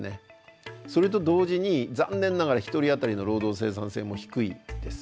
それと同時に残念ながら１人あたりの労働生産性も低いです。